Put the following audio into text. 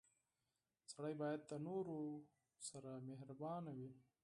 • سړی باید د نورو سره مهربان وي.